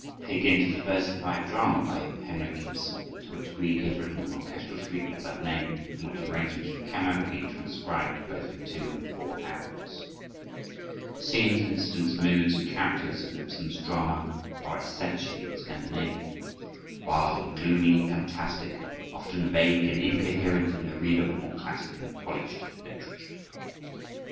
"Peer Gynt" is a versified drama by Henrik Ibsen, to which Grieg has written an orchestral suite of that name, from which arrangements for piano have been transcribed, both for two and four hands. The scenes, incidents, moods, and characters of Ibsen's drama are essentially Scandinavian; wild, gloomy, fantastic, often vague and incoherent to the reader of more classic and polished literature.